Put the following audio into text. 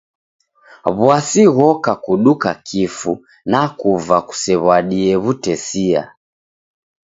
W'asi ghoka kuduka kifu na kuva kusew'adie w'utesia.